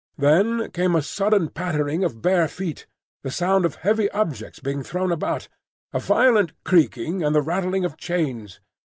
Then came a sudden pattering of bare feet, the sound of heavy objects being thrown about, a violent creaking and the rattling of chains.